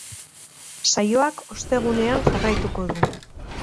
Saioak ostegunean jarraituko du.